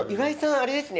あれですね。